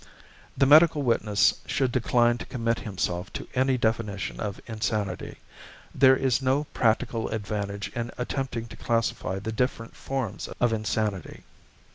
The medical witness should decline to commit himself to any definition of insanity. There is no practical advantage in attempting to classify the different forms of insanity.